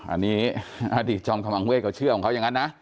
อันนี้อดีตจอมขมังเวทเขาเชื่อของเขาอย่างนั้นนะ